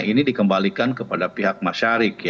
ini dikembalikan kepada pihak masyarik